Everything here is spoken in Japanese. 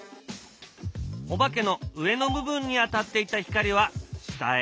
お化けの上の部分に当たっていた光は下へ。